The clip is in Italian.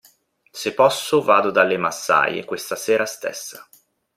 Se posso vado dalle massaie questa sera stessa.